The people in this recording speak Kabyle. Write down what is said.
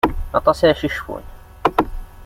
Aṭas ara s-yecfun.